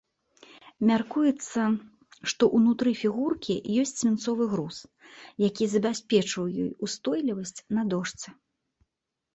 Мяркуецца, што ўнутры фігуркі ёсць свінцовы груз, які забяспечваў ёй ўстойлівасць на дошцы.